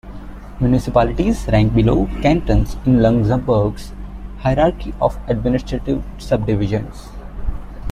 Municipalities rank below cantons in Luxembourg's hierarchy of administrative subdivisions.